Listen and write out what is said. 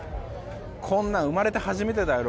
こんなの生まれて初めてだよ。